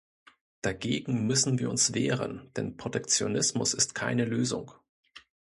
Dagegen müssen wir uns wehren, denn Protektionismus ist keine Lösung.